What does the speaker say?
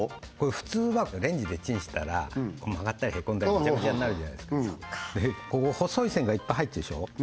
普通はレンジでチンしたら曲がったりへこんだりグチャグチャになるじゃないですかでここ細い線がいっぱい入ってるでしょ？